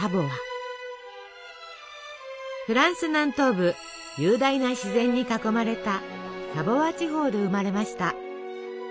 フランス南東部雄大な自然に囲まれたサヴォワ地方で生まれました。